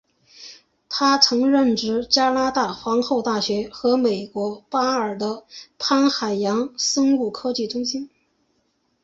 他曾任职加拿大皇后大学和美国巴尔的摩海洋生物科技中心。